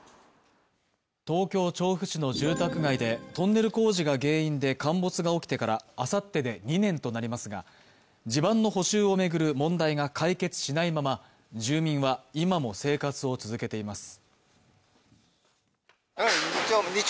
東京・調布市の住宅街でトンネル工事が原因で陥没が起きてからあさってで２年となりますが、地盤の補修を巡る問題が解決しないまま住民は今も生活を続けています。